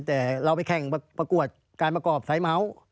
แต่เราไปแข่งประกวดการประกอบไซส์เมาส์